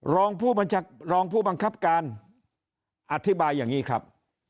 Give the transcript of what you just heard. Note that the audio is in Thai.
รองผู้บังคับการอธิบายอย่างนี้ครับ